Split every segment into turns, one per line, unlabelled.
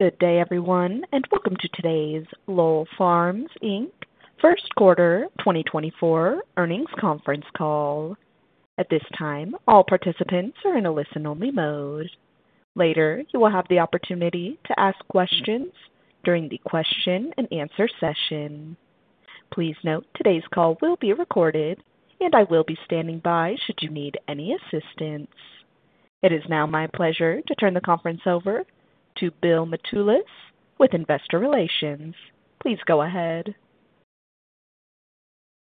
Good day, everyone, and welcome to today's Lowell Farms Inc. Q1 2024 Earnings Conference Call. At this time, all participants are in a listen-only mode. Later, you will have the opportunity to ask questions during the question and answer session. Please note, today's call will be recorded, and I will be standing by should you need any assistance. It is now my pleasure to turn the conference over to Bill Matulis with Investor Relations. Please go ahead.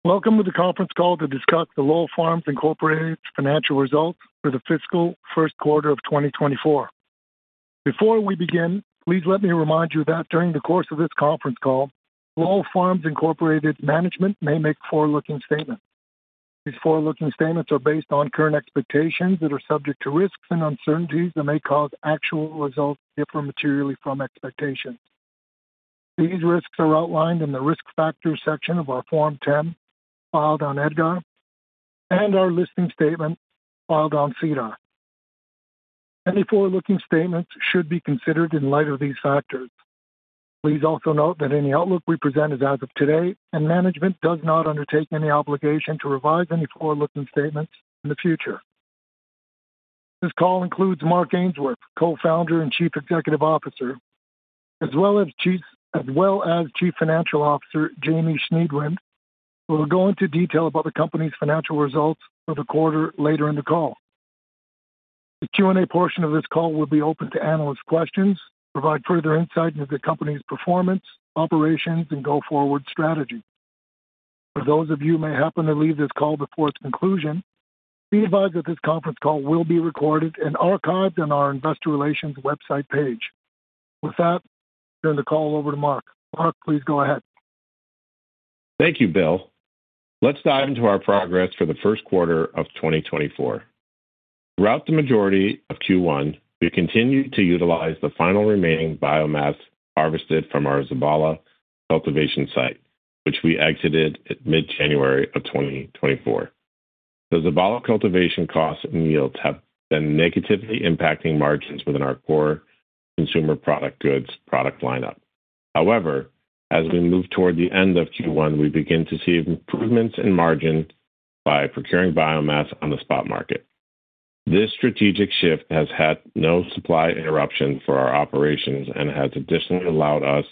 Welcome to the conference call to discuss the Lowell Farms Incorporated Financial Results for the Fiscal Q1 of 2024. Before we begin, please let me remind you that during the course of this conference call, Lowell Farms Incorporated management may make forward-looking statements. These forward-looking statements are based on current expectations that are subject to risks and uncertainties that may cause actual results to differ materially from expectations. These risks are outlined in the Risk Factors section of our Form 10, filed on EDGAR, and our listing statement, filed on SEDAR. Any forward-looking statements should be considered in light of these factors. Please also note that any outlook we present is as of today, and management does not undertake any obligation to revise any forward-looking statements in the future. This call includes Mark Ainsworth, Co-founder and Chief Executive Officer, as well as Chief Financial Officer, Jamie Schniedwind, who will go into detail about the company's financial results for the quarter later in the call. The Q&A portion of this call will be open to analyst questions, provide further insight into the company's performance, operations, and go-forward strategy. For those of you who may happen to leave this call before its conclusion, be advised that this conference call will be recorded and archived on our investor relations website page. With that, turn the call over to Mark. Mark, please go ahead.
Thank you, Bill. Let's dive into our progress for the Q1 of 2024. Throughout the majority of Q1, we continued to utilize the final remaining biomass harvested from our Zabala cultivation site, which we exited at mid-January of 2024. The Zabala cultivation costs and yields have been negatively impacting margins within our core consumer packaged goods product lineup. However, as we move toward the end of Q1, we begin to see improvements in margin by procuring biomass on the spot market. This strategic shift has had no supply interruption for our operations and has additionally allowed us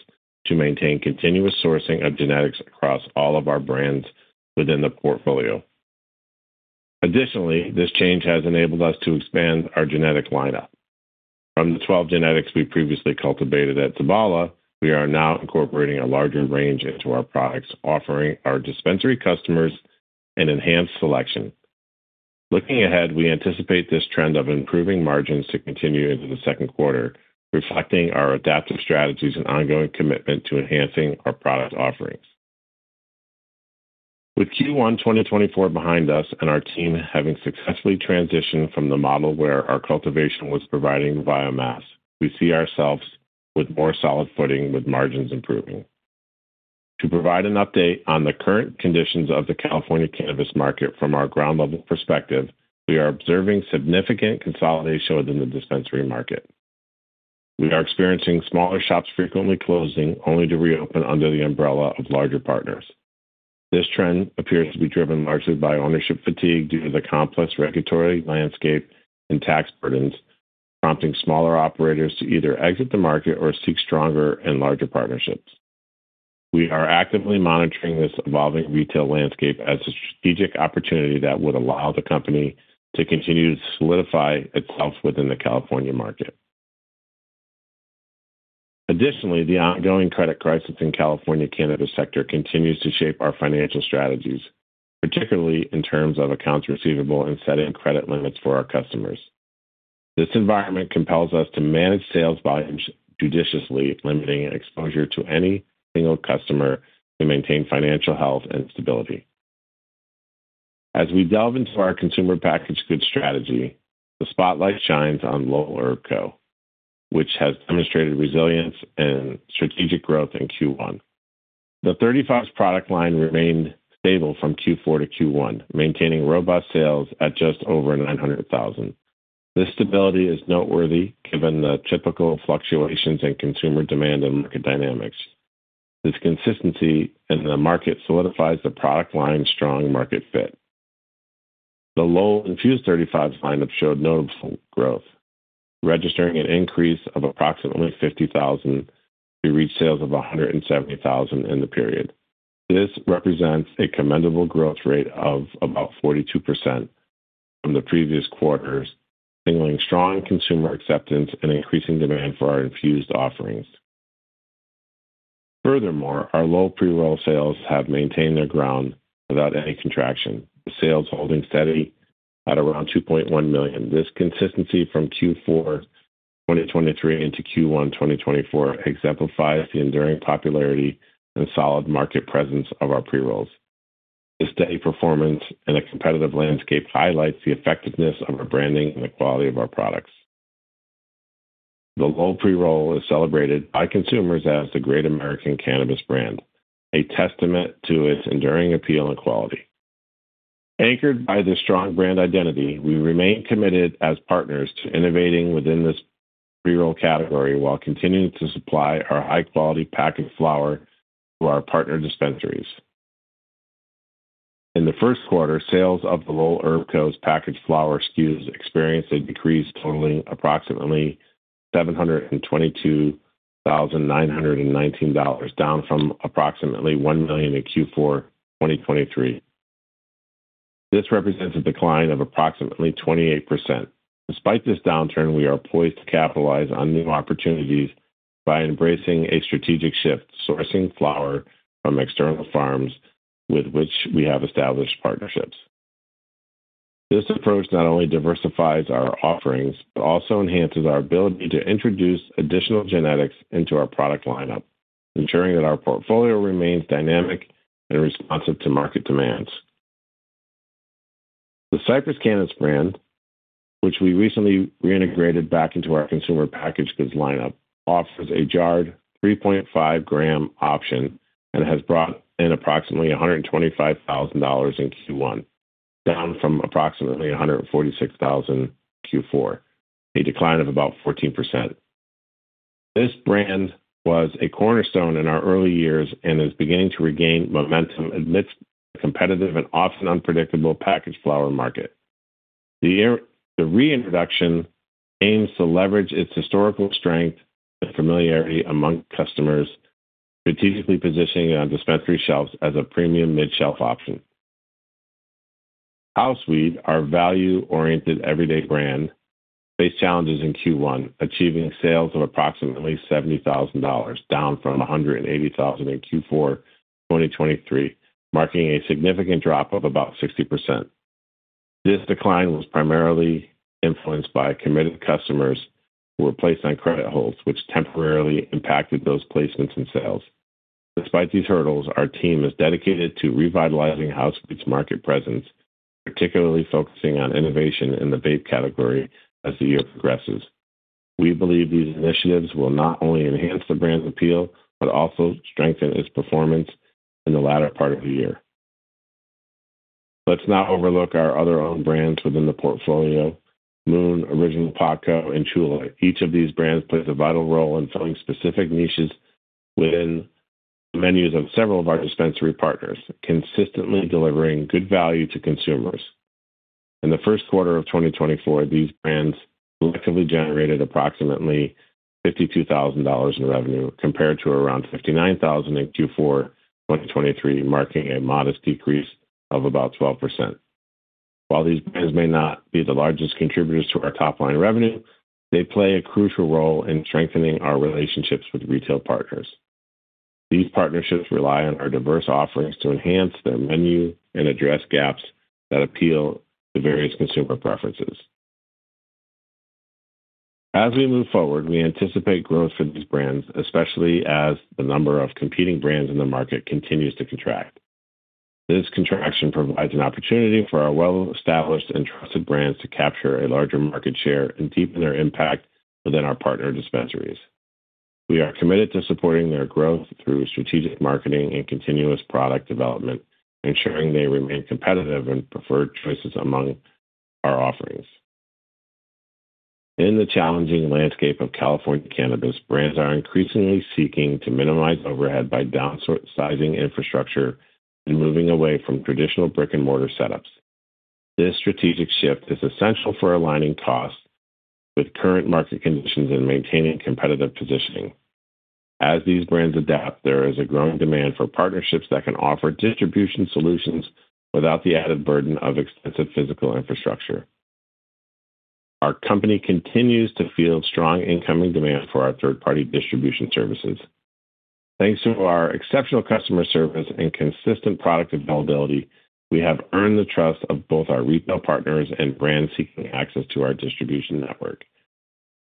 to maintain continuous sourcing of genetics across all of our brands within the portfolio. Additionally, this change has enabled us to expand our genetic lineup. From the 12 genetics we previously cultivated at Zabala, we are now incorporating a larger range into our products, offering our dispensary customers an enhanced selection. Looking ahead, we anticipate this trend of improving margins to continue into the Q2, reflecting our adaptive strategies and ongoing commitment to enhancing our product offerings. With Q1 2024 behind us and our team having successfully transitioned from the model where our cultivation was providing biomass, we see ourselves with more solid footing with margins improving. To provide an update on the current conditions of the California cannabis market from our ground-level perspective, we are observing significant consolidation within the dispensary market. We are experiencing smaller shops frequently closing, only to reopen under the umbrella of larger partners. This trend appears to be driven largely by ownership fatigue due to the complex regulatory landscape and tax burdens, prompting smaller operators to either exit the market or seek stronger and larger partnerships. We are actively monitoring this evolving retail landscape as a strategic opportunity that would allow the company to continue to solidify itself within the California market. Additionally, the ongoing credit crisis in California cannabis sector continues to shape our financial strategies, particularly in terms of accounts receivable and setting credit limits for our customers. This environment compels us to manage sales volumes judiciously, limiting exposure to any single customer to maintain financial health and stability. As we delve into our consumer packaged goods strategy, the spotlight shines on Lowell Herb Co. which has demonstrated resilience and strategic growth in Q1. The 35 product line remained stable from Q4 to Q1, maintaining robust sales at just over $900,000. This stability is noteworthy given the typical fluctuations in consumer demand and market dynamics. This consistency in the market solidifies the product line's strong market fit. The Lowell Infused 35 lineup showed notable growth, registering an increase of approximately $50,000 to reach sales of $170,000 in the period. This represents a commendable growth rate of about 42% from the previous quarters, signaling strong consumer acceptance and increasing demand for our infused offerings. Furthermore, our Lowell Pre-roll sales have maintained their ground without any contraction, the sales holding steady at around $2.1 million. This consistency from Q4 2023 into Q1 2024 exemplifies the enduring popularity and solid market presence of our pre-rolls. This steady performance in a competitive landscape highlights the effectiveness of our branding and the quality of our products. The Lowell pre-roll is celebrated by consumers as the Great American Cannabis Brand, a testament to its enduring appeal and quality.... Anchored by the strong brand identity, we remain committed as partners to innovating within this pre-roll category while continuing to supply our high-quality packaged flower to our partner dispensaries. In the Q1, sales of the Lowell Herb Co.'s packaged flower SKUs experienced a decrease totaling approximately $722,919, down from approximately $1 million in Q4 2023. This represents a decline of approximately 28%. Despite this downturn, we are poised to capitalize on new opportunities by embracing a strategic shift, sourcing flower from external farms with which we have established partnerships. This approach not only diversifies our offerings, but also enhances our ability to introduce additional genetics into our product lineup, ensuring that our portfolio remains dynamic and responsive to market demands. The Cypress Cannabis brand, which we recently reintegrated back into our consumer packaged goods lineup, offers a jarred 3.5 gram option and has brought in approximately $125,000 in Q1, down from approximately $146,000 in Q4, a decline of about 14%. This brand was a cornerstone in our early years and is beginning to regain momentum amidst the competitive and often unpredictable packaged flower market. The reintroduction aims to leverage its historical strength and familiarity among customers, strategically positioning it on dispensary shelves as a premium mid-shelf option. House Weed, our value-oriented everyday brand, faced challenges in Q1, achieving sales of approximately $70,000, down from $180,000 in Q4 2023, marking a significant drop of about 60%. This decline was primarily influenced by committed customers who were placed on credit holds, which temporarily impacted those placements and sales. Despite these hurdles, our team is dedicated to revitalizing House Weed market presence, particularly focusing on innovation in the vape category as the year progresses. We believe these initiatives will not only enhance the brand's appeal, but also strengthen its performance in the latter part of the year. Let's not overlook our other own brands within the portfolio: Moon, Original Pot Co., and Tura. Each of these brands plays a vital role in filling specific niches within the menus of several of our dispensary partners, consistently delivering good value to consumers. In the Q1 of 2024, these brands collectively generated approximately $52,000 in revenue, compared to around $59,000 in Q4 2023, marking a modest decrease of about 12%. While these brands may not be the largest contributors to our top-line revenue, they play a crucial role in strengthening our relationships with retail partners. These partnerships rely on our diverse offerings to enhance their menu and address gaps that appeal to various consumer preferences. As we move forward, we anticipate growth for these brands, especially as the number of competing brands in the market continues to contract. This contraction provides an opportunity for our well-established and trusted brands to capture a larger market share and deepen their impact within our partner dispensaries. We are committed to supporting their growth through strategic marketing and continuous product development, ensuring they remain competitive and preferred choices among our offerings. In the challenging landscape of California cannabis, brands are increasingly seeking to minimize overhead by downsizing infrastructure and moving away from traditional brick-and-mortar setups. This strategic shift is essential for aligning costs with current market conditions and maintaining competitive positioning. As these brands adapt, there is a growing demand for partnerships that can offer distribution solutions without the added burden of extensive physical infrastructure. Our company continues to field strong incoming demand for our third-party distribution services. Thanks to our exceptional customer service and consistent product availability, we have earned the trust of both our retail partners and brands seeking access to our distribution network.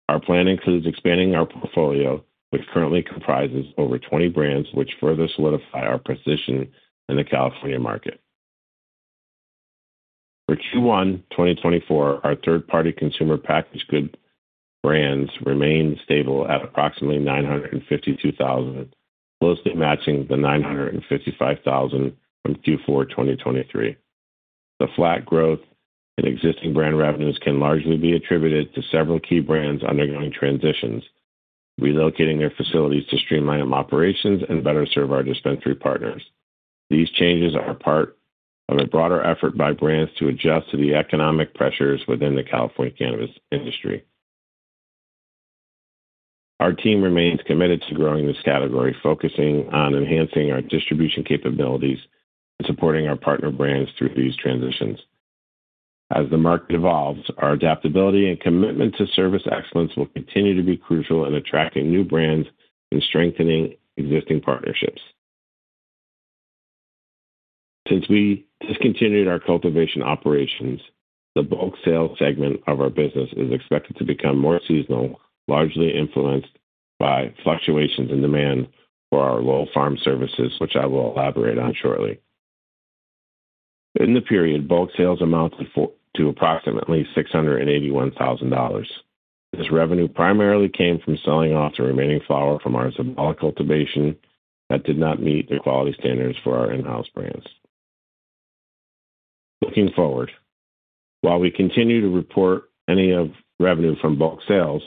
Our plan includes expanding our portfolio, which currently comprises over 20 brands, which further solidify our position in the California market. For Q1 2024, our third-party consumer packaged goods brands remained stable at approximately $952,000, closely matching the $955,000 from Q4 2023. The flat growth in existing brand revenues can largely be attributed to several key brands undergoing transitions, relocating their facilities to streamline operations and better serve our dispensary partners. These changes are part of a broader effort by brands to adjust to the economic pressures within the California cannabis industry. Our team remains committed to growing this category, focusing on enhancing our distribution capabilities and supporting our partner brands through these transitions. As the market evolves, our adaptability and commitment to service excellence will continue to be crucial in attracting new brands and strengthening existing partnerships. Since we discontinued our cultivation operations, the bulk sales segment of our business is expected to become more seasonal, largely influenced by fluctuations in demand for our Lowell Farm Services, which I will elaborate on shortly. In the period, bulk sales amounted to approximately $681,000. This revenue primarily came from selling off the remaining flower from our Zabala cultivation that did not meet their quality standards for our in-house brands. Looking forward, while we continue to report any revenue from bulk sales,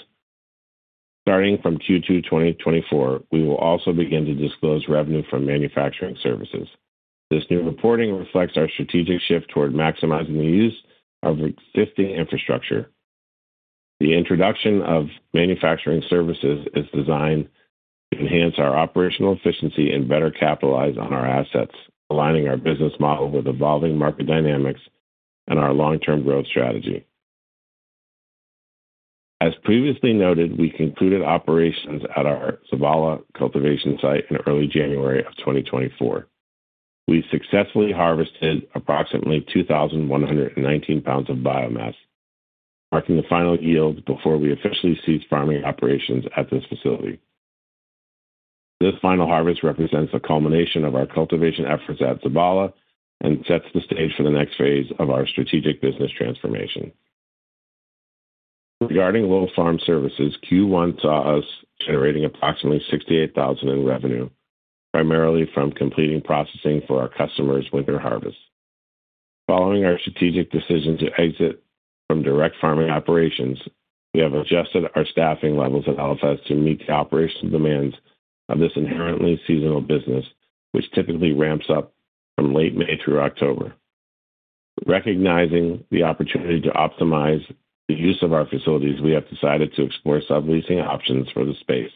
starting from Q2 2024, we will also begin to disclose revenue from manufacturing services. This new reporting reflects our strategic shift toward maximizing the use of existing infrastructure. The introduction of manufacturing services is designed to enhance our operational efficiency and better capitalize on our assets, aligning our business model with evolving market dynamics and our long-term growth strategy. As previously noted, we concluded operations at our Zabala cultivation site in early January 2024. We successfully harvested approximately 2,119 pounds of biomass, marking the final yield before we officially ceased farming operations at this facility. This final harvest represents a culmination of our cultivation efforts at Zabala and sets the stage for the next phase of our strategic business transformation. Regarding Lowell Farm Services, Q1 saw us generating approximately $68,000 in revenue, primarily from completing processing for our customers with their harvest. Following our strategic decision to exit from direct farming operations, we have adjusted our staffing levels at LFS to meet the operational demands of this inherently seasonal business, which typically ramps up from late May through October. Recognizing the opportunity to optimize the use of our facilities, we have decided to explore subleasing options for the space.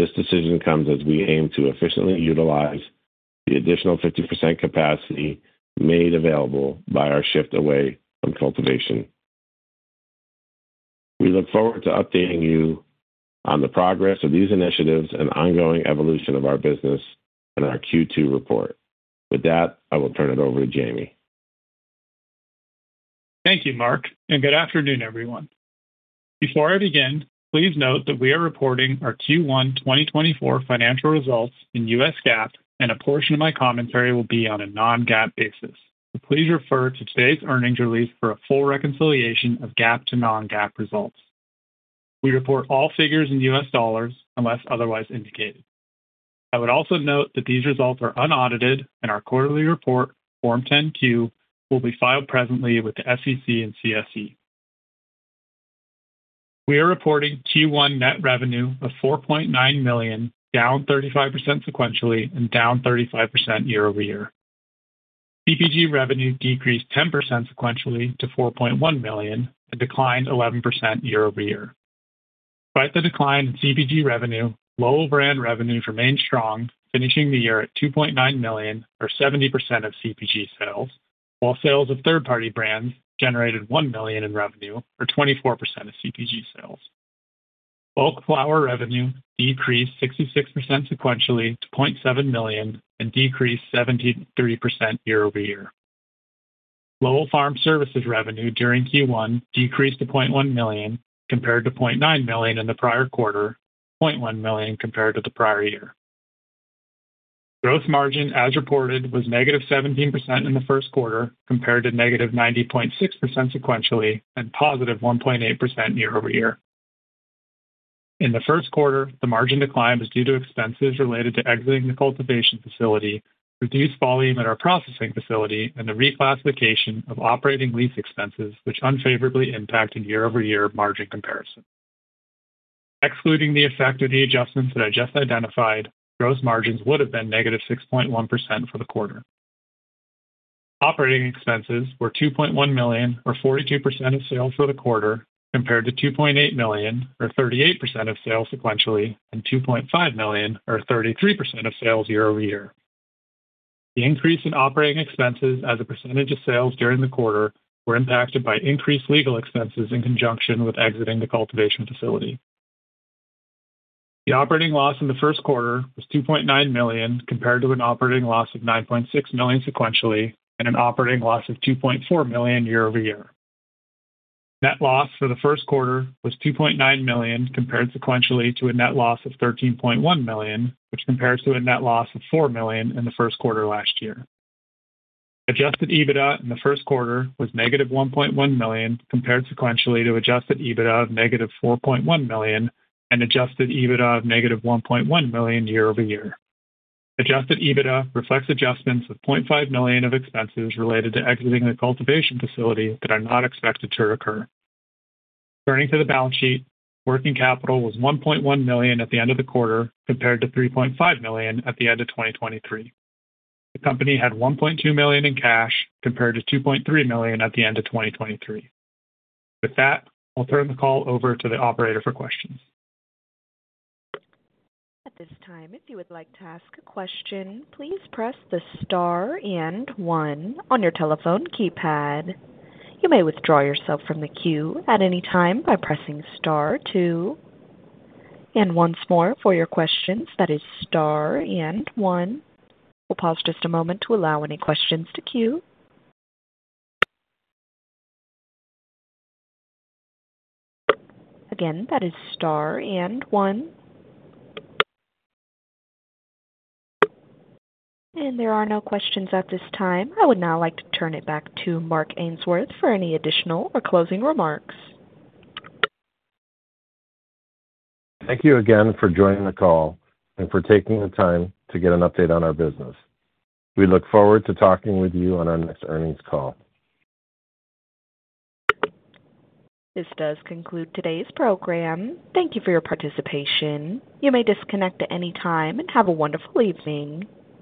This decision comes as we aim to efficiently utilize the additional 50% capacity made available by our shift away from cultivation. We look forward to updating you on the progress of these initiatives and ongoing evolution of our business in our Q2 report. With that, I will turn it over to Jamie.
Thank you, Mark, and good afternoon, everyone. Before I begin, please note that we are reporting our Q1 2024 financial results in US GAAP, and a portion of my commentary will be on a non-GAAP basis. Please refer to today's earnings release for a full reconciliation of GAAP to non-GAAP results. We report all figures in US dollars, unless otherwise indicated. I would also note that these results are unaudited and our quarterly report, Form 10-Q, will be filed presently with the SEC and CSE. We are reporting Q1 net revenue of $4.9 million, down 35% sequentially and down 35% year-over-year. CPG revenue decreased 10% sequentially to $4.1 million and declined 11% year-over-year. Despite the decline in CPG revenue, Lowell brand revenue remained strong, finishing the year at $2.9 million, or 70% of CPG sales, while sales of third-party brands generated $1 million in revenue, or 24% of CPG sales. Bulk flower revenue decreased 66% sequentially to $0.7 million and decreased 73% year-over-year. Lowell Farm Services revenue during Q1 decreased to $0.1 million, compared to $0.9 million in the prior quarter, $0.1 million compared to the prior year. Gross margin, as reported, was -17% in the Q1, compared to -90.6% sequentially and +1.8% year-over-year. In the Q1, the margin decline was due to expenses related to exiting the cultivation facility, reduced volume at our processing facility, and the reclassification of operating lease expenses, which unfavorably impacted year-over-year margin comparison. Excluding the effect of the adjustments that I just identified, gross margins would have been negative 6.1% for the quarter. Operating expenses were $2.1 million, or 42% of sales for the quarter, compared to $2.8 million, or 38% of sales sequentially, and $2.5 million, or 33% of sales year over year. The increase in operating expenses as a percentage of sales during the quarter were impacted by increased legal expenses in conjunction with exiting the cultivation facility. The operating loss in the Q1 was $2.9 million, compared to an operating loss of $9.6 million sequentially, and an operating loss of $2.4 million year-over-year. Net loss for the Q1 was $2.9 million, compared sequentially to a net loss of $13.1 million, which compares to a net loss of $4 million in the Q1 last year. Adjusted EBITDA in the Q1 was -$1.1 million, compared sequentially to adjusted EBITDA of -$4.1 million and adjusted EBITDA of -$1.1 million year-over-year. Adjusted EBITDA reflects adjustments of $0.5 million of expenses related to exiting the cultivation facility that are not expected to recur. Turning to the balance sheet, working capital was $1.1 million at the end of the quarter, compared to $3.5 million at the end of 2023. The company had $1.2 million in cash, compared to $2.3 million at the end of 2023. With that, I'll turn the call over to the operator for questions.
At this time, if you would like to ask a question, please press the star and one on your telephone keypad. You may withdraw yourself from the queue at any time by pressing star two. And once more for your questions, that is star and one. We'll pause just a moment to allow any questions to queue. Again, that is star and one. And there are no questions at this time. I would now like to turn it back to Mark Ainsworth for any additional or closing remarks.
Thank you again for joining the call and for taking the time to get an update on our business. We look forward to talking with you on our next earnings call.
This does conclude today's program. Thank you for your participation. You may disconnect at any time, and have a wonderful evening.